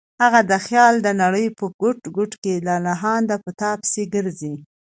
هغه د خیال د نړۍ په ګوټ ګوټ کې لالهانده په تا پسې ګرځي.